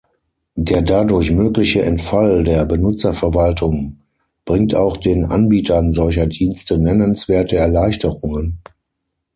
Der dadurch mögliche Entfall der Benutzerverwaltung bringt auch den Anbietern solcher Dienste nennenswerte Erleichterungen.